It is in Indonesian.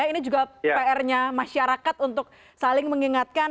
ini juga pr nya masyarakat untuk saling mengingatkan